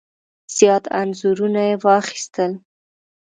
زیات انځورونه یې واخیستل.